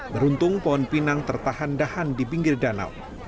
beruntung pohon pinang tertahan dahan di pinggir danau